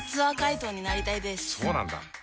そうなんだ。